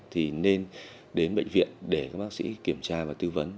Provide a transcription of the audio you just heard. thì nên đến bệnh viện để các bác sĩ kiểm tra và tư vấn